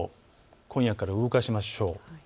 今夜から動かしましょう。